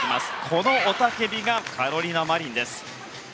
この雄たけびがカロリナ・マリンです。